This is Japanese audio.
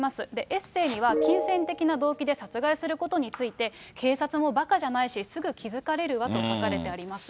エッセーには金銭的な動機で殺害することについて、警察もばかじゃないし、すぐ気付かれるわと書かれてあります。